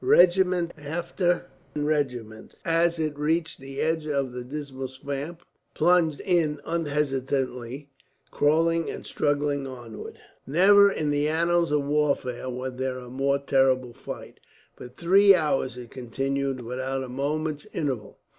Regiment after regiment, as it reached the edge of the dismal swamp, plunged in unhesitatingly, crawling and struggling onward. Never in the annals of warfare was there a more terrible fight. For three hours it continued, without a moment's interval.